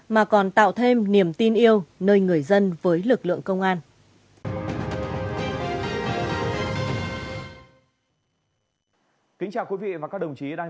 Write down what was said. mà còn tạo thêm niềm tin yêu nơi người dân với lực lượng công an